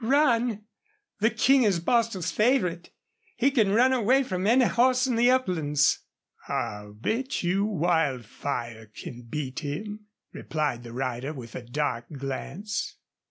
"Run! ... The King is Bostil's favorite. He can run away from any horse in the uplands." "I'll bet you Wildfire can beat him," replied the rider, with a dark glance.